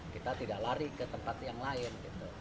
kita tidak lari ke tempat yang lain